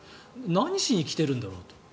何しに来てるんだろうと。